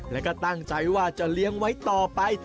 และก็ตั้งใจว่าจะเลี้ยงไว้ต่อไป